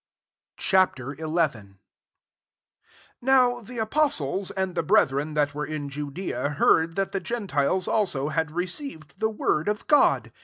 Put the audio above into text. Ch. XI. 1 NOW the apos ties, and the brethren that were in Judea, heard that the gentiles also had received the word of God.